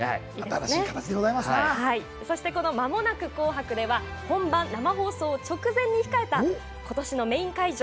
この「まもなく紅白！」では本番生放送を直前に控えた今年のメイン会場